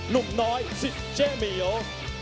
นุ่มน้อยสิทธิ์เจเมียล